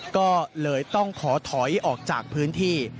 ก็เลยต้องขอถอยออกจากพื้นที่